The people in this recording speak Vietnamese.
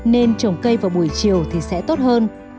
nên trồng cây vào buổi chiều thì sẽ tốt hơn